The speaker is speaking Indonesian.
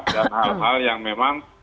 dan hal hal yang memang